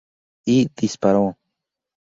Y disparó.